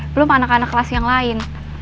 belum anak anak kelas yang lain